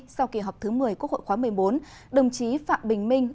sau kỳ họp thứ một mươi quốc hội khóa một mươi bốn đồng chí phạm bình minh